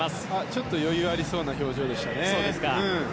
ちょっと余裕ありそうな表情でしたね。